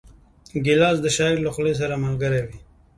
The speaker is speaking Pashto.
ګیلاس د شاعر له خولې سره ملګری وي.